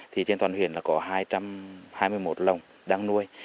thì trên toàn huyện là có hai trăm hai mươi một lồng đang nuôi